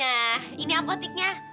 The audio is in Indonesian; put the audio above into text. nah ini apoteknya